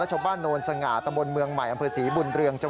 และชาวบ้าโนล์สงาตมเมืองใหม่อำเภอศรีบุรริยา